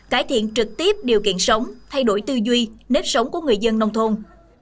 cải thiện trực tiếp điều kiện sống thay đổi tư duy nếp sống của người dân nông thôn